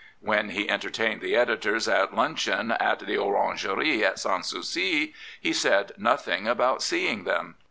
When he entertained the editors at luncheon at the Orangerie at Sans Souci he said nothing about seeing them.